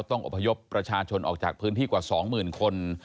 อพยพประชาชนออกจากพื้นที่กว่า๒๐๐๐คน